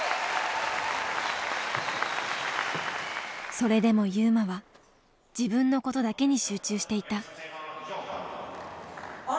それでも優真は自分のことだけに集中していた。